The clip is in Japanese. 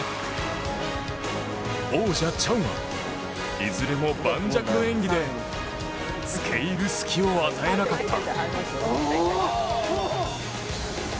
王者チャンはいずれも盤石の演技で付け入る隙を与えなかった。